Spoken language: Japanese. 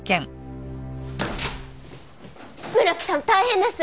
村木さん大変です！